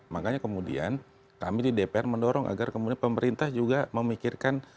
makanya kemudian kami di dpr mendorong agar kemudian pemerintah juga memikirkan